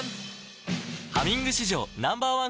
「ハミング」史上Ｎｏ．１抗菌